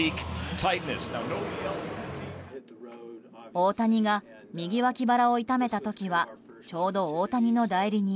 大谷が右脇腹を痛めた時はちょうど大谷の代理人